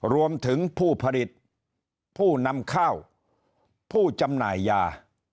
รวมถึงผู้ผลิตผู้นำข้าวผู้จำหน่ายยา